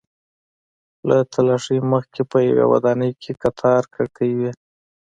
له تالاشۍ مخکې په یوې ودانۍ کې کتار کړکۍ وې.